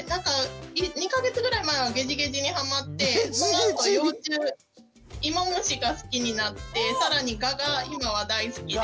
２か月ぐらい前はゲジゲジにハマってそのあと幼虫イモムシが好きになって更にガが今は大好きで。